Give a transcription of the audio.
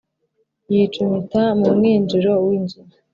yicumita mu mwinjiro w’inzu